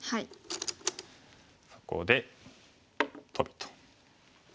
そこでトビと。